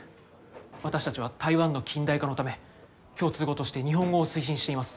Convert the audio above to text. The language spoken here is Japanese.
私たちは台湾の近代化のため共通語として日本語を推進しています。